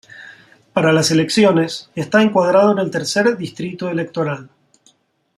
Para las elecciones está encuadrado en el Tercer Distrito Electoral.